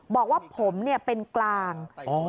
บอกว่าผมเป็นกลาง